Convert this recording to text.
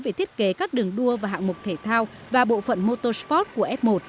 về thiết kế các đường đua và hạng mục thể thao và bộ phận motorsport của f một